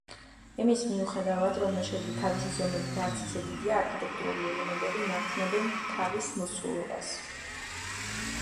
იმის მიუხედავად, რომ მეჩეთი თავისი ზომებით არც ისე დიდია, არქიტექტურული ელემენტები ინარჩუნებენ ტავის მოცულობას.